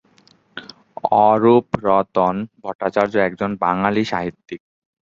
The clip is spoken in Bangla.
অরূপরতন ভট্টাচার্য একজন বাঙালি সাহিত্যিক।